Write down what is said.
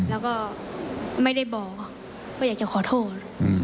แล้วก็ไม่ได้บอกว่าอยากจะขอโทษ